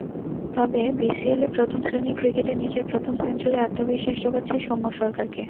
তবে বিসিএলে প্রথম শ্রেণির ক্রিকেটে নিজের প্রথম সেঞ্চুরি আত্মবিশ্বাস জোগাচ্ছে সৌম্য সরকারকে।